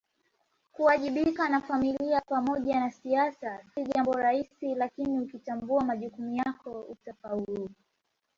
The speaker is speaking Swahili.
Kuwajibika na Familia pamoja na siasa si jambo rahisi lakini ukitambua majukumu yako utafaulu